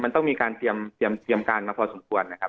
มันต้องมีการเตรียมการมาพอสมควรนะครับ